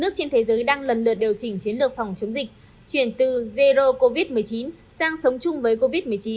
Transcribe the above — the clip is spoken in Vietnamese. chuyển từ zero covid một mươi chín sang sống chung với covid một mươi chín